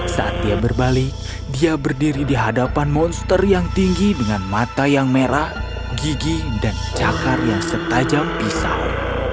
saat dia berbalik dia berdiri di hadapan monster yang tinggi dengan mata yang merah gigi dan cakar yang setajam pisau